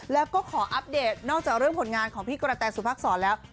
แล้วก็ขออัปเดตนอกจากเรื่องผลงานของพี่กระแตสุพักษรแล้ว